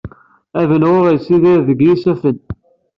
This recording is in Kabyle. Abanɣu ittedder deg yisafen.